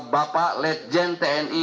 bapak ledjen tni